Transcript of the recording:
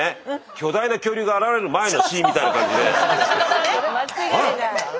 巨大な恐竜が現れる前のシーンみたいな感じで。